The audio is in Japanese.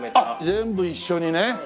あっ全部一緒にね。